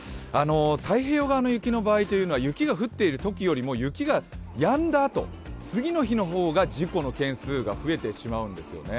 太陽用側の雪の場合というのは雪がやんだあと、次の日の方が事故の件数が増えてしまうんですよね。